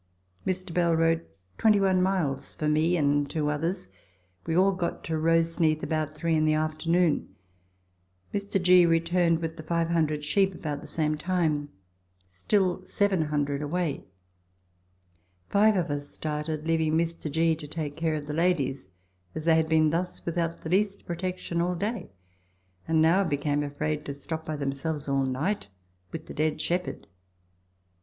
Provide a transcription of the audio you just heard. Mr. Bell rode 21 miles for me and two others ; we all got to Roseneath about three in the afternoon. Mr. G. returned with the 500 sheep about the same time ; still 700 away. Five of us started, leaving Mr. G. to take care of the ladies, as they had been thus without the least protec tion all day, and now became afraid to stop by themselves all night with the dead shepherd.